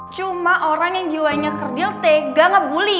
cuma orang yang jiwa kerdil tega ngebully ya